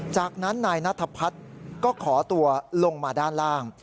จากนั้นนายนัทพัฒน์ก็ขอตัวลงมาด้านล่าง